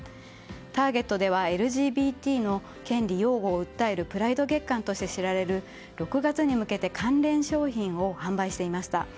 ターゲットではＬＧＢＴの権利擁護を訴えるプライド月間として知られる６月に向けて関連商品を販売していました。